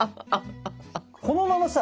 このままさ